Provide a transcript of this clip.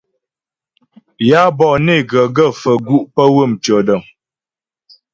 Yǎ bɔ'ɔ né ghə gaə́ faə̀ gu' pə́ ywə̂ mtʉɔ̂dəŋ.